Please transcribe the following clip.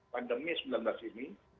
pandemi sembilan belas ini